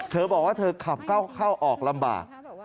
เธอบอกว่าเธอขับเข้าออกลำบาก